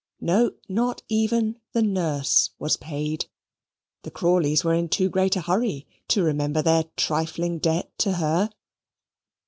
No, not even the nurse was paid the Crawleys were in too great a hurry to remember their trifling debt to her.